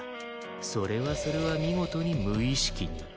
それはそれは見事に無意識に。